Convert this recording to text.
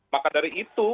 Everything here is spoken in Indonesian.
maka dari itu